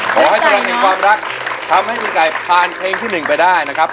ขอให้กำลังมีความรักทำให้คุณไก่ผ่านเพลงที่๑ไปได้นะครับ